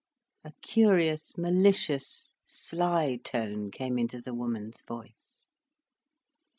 A curious malicious, sly tone came into the woman's voice.